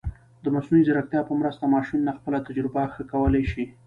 د مصنوعي ځیرکتیا په مرسته، ماشینونه خپله تجربه ښه کولی شي.